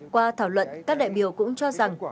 qua thảo luận các đại biểu cũng cho rằng